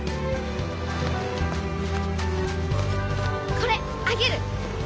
これあげる！